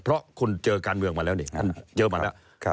เพราะคุณเจอการเมืองมาแล้วนี่เจอมาแล้ว